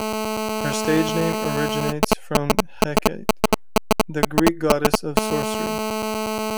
Her stage name originates from Hecate, the Greek goddess of sorcery.